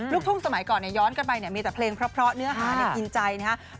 ลูกทุ่งสมัยก่อนย้อนกันไปเนี่ยมีแต่เพลงเพราะเนื้อหากินใจนะครับ